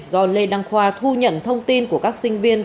do lê đăng khoa thu nhận thông tin của các sinh viên